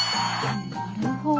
なるほど。